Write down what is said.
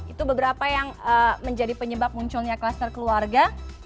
itu beberapa yang menjadi penyebab munculnya kluster keluarga